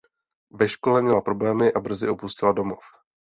Ve škole měla problémy a brzy opustila domov.